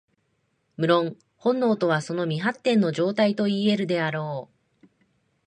無論、本能とはその未発展の状態といい得るであろう。